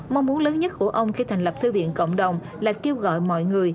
mong muốn lớn nhất của ông khi thành lập thư viện cộng đồng là kêu gọi mọi người